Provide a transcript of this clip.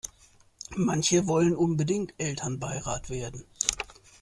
Manche wollen unbedingt Elternbeirat werden.